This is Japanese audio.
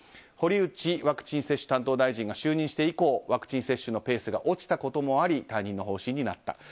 堀内ワクチン接種担当大臣が就任して以降ワクチン接種のペースが落ちたこともあり退任の方針になった。